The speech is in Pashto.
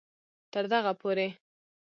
تر دغه پورې